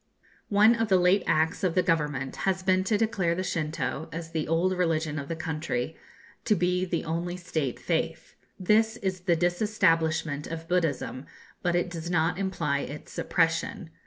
One of the late acts of the government has been to declare the Shintoo, as the old religion of the country, to be the only State faith. This is the disestablishment of Buddhism, but it does not imply its suppression.